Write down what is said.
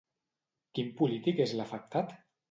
Quin polític és l'afectat?